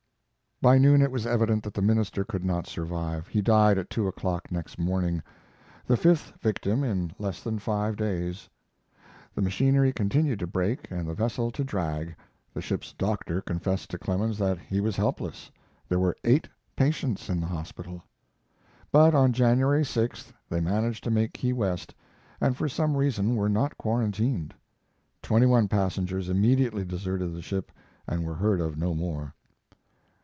By noon it was evident that the minister could not survive. He died at two o'clock next morning; the fifth victim in less than five days. The machinery continued to break and the vessel to drag. The ship's doctor confessed to Clemens that he was helpless. There were eight patients in the hospital. But on January 6th they managed to make Key West, and for some reason were not quarantined. Twenty one passengers immediately deserted the ship and were heard of no more.